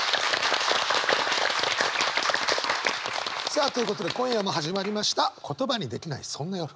さあということで今夜も始まりました「言葉にできない、そんな夜。」。